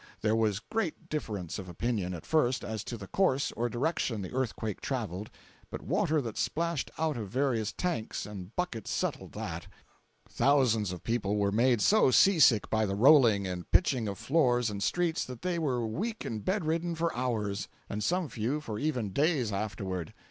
There was great difference of opinion, at first, as to the course or direction the earthquake traveled, but water that splashed out of various tanks and buckets settled that. Thousands of people were made so sea sick by the rolling and pitching of floors and streets that they were weak and bed ridden for hours, and some few for even days afterward.